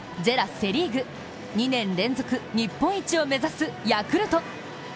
セ・リーグ２年連続日本一を目指すヤクルト。